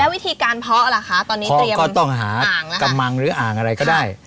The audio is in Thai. แล้ววิธีการเพาะอะไรค่ะตอนนี้เตรียมอ่างนะคะเพาะก็ต้องหากระมังหรืออ่างอะไรก็ได้